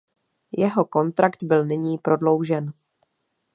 Jeho kontrakt byl nyní prodloužen.